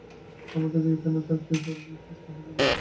আমাদের এখানে থাকতে হবে ঝড় শেষ না হওয়া পর্যন্ত।